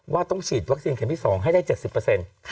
ว่าต้องฉีดวัคซีนเข็มที่๒ให้ได้๗๐เปอร์เซ็นต์